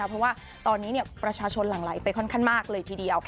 เพราะว่าตอนนี้ประชาชนหลั่งไหลไปค่อนข้างมากเลยทีเดียว